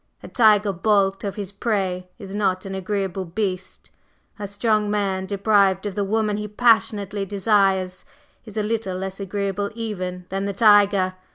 A tiger balked of his prey is not an agreeable beast; a strong man deprived of the woman he passionately desires is a little less agreeable even than the tiger.